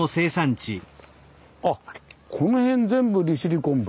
あっこの辺全部利尻昆布？